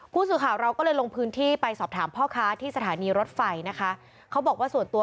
ผู้สื่อข่าวเราก็เลยลงพื้นที่ไปสอบถามพ่อค้าที่สถานีรถไฟนะคะ